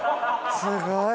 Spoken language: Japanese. すごい。